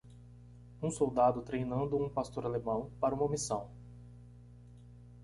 Um soldado treinando um pastor alemão para uma missão.